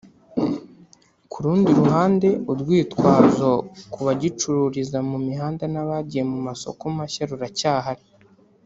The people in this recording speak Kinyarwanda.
Ku rundi ruhande urwitwazo ku bagicururiza mu mihanda n’abagiye mu masoko mashya ruracyahari